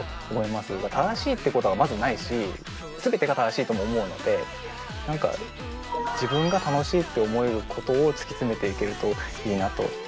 正しいってことはまずないし全てが正しいとも思うので何か自分が楽しいって思えることを突き詰めていけるといいなと思います。